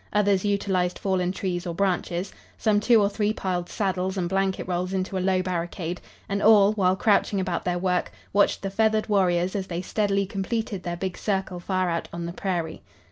Others utilized fallen trees or branches. Some two or three piled saddles and blanket rolls into a low barricade, and all, while crouching about their work, watched the feathered warriors as they steadily completed their big circle far out on the prairie.